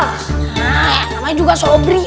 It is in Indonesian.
nah namanya juga sobri